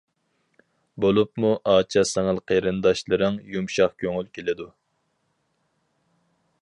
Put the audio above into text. بولۇپمۇ ئاچا- سىڭىل قېرىنداشلىرىڭ يۇمشاق كۆڭۈل كېلىدۇ.